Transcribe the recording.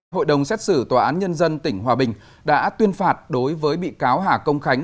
hội đồng xét xử tòa án nhân dân tỉnh hòa bình đã tuyên phạt đối với bị cáo hà công khánh